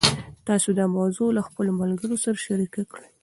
تاسي دا موضوع له خپلو ملګرو سره شریکه کړئ.